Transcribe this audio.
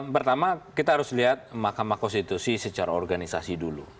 pertama kita harus lihat mahkamah konstitusi secara organisasi dulu